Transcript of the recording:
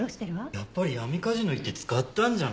やっぱり闇カジノ行って使ったんじゃない？